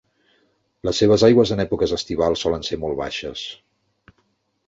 Les seves aigües en èpoques estivals solen ser molt baixes.